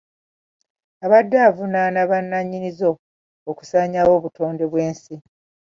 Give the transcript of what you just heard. Abadde avunaana bannannyini zo okusaanyaawo obutonde bw'ensi.